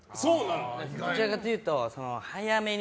どちらかというと早めに。